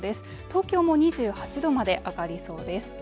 東京も２８度まで上がりそうです